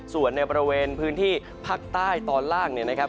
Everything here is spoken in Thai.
ส่วนในบริเวณพื้นที่ภาคใต้ตอนล่างเนี่ยนะครับ